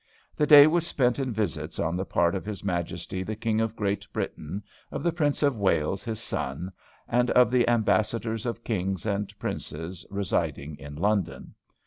The day was spent in visits on the part of his Majesty the King of Great Britain, of the Prince of Wales, his son, and of the ambassadors of kings and princes, residing in London."